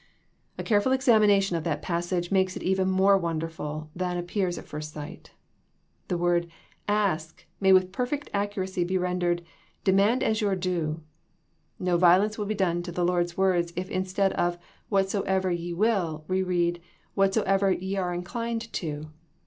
A careful examination of that passage makes it even more wonderful than ap pears at first sight. The word " ask " may with perfect accuracy be rendered " demand as your due." No violence will be done to the Lord's words if instead of " whatsoever ye will " we read " whatsoever ye are inclined to."